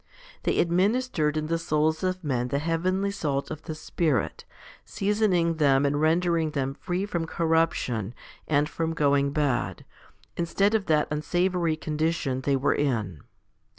They administered in the souls of men the heavenly salt of the Spirit, seasoning them and rendering them free from corruption and from going bad, instead of that unsavoury condition they were in.